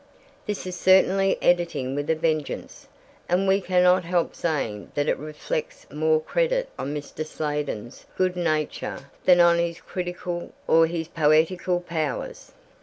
This is certainly editing with a vengeance, and we cannot help saying that it reflects more credit on Mr. Sladen's good nature than on his critical or his poetical powers.